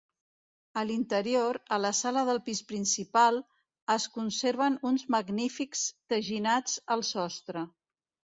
A l'interior, a la sala del pis principal, es conserven uns magnífics teginats al sostre.